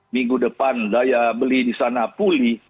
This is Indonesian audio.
minggu depan daya beli di sana pulih